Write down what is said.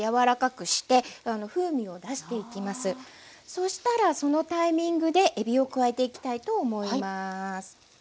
そしたらそのタイミングでえびを加えていきたいと思います。